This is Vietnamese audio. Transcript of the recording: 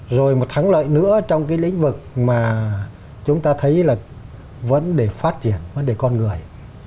rồi một thắng lợi nữa trong cái lĩnh vực mà chúng ta thấy là vấn đề phát triển vấn đề con người